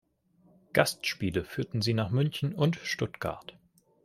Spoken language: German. Gastspiele führten sie nach München und Stuttgart.